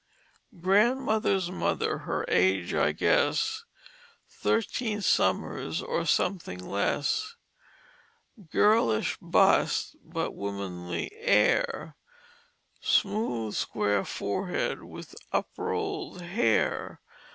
"Grandmother's mother: her age, I guess Thirteen summers or something less, Girlish bust, but womanly air; Smooth square forehead with uprolled hair.